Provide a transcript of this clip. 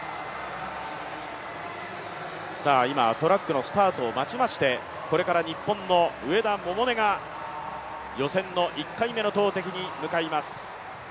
今、トラックのスタートを待ちまして、これから日本の上田百寧が予選の１回目の投てきに向かいます。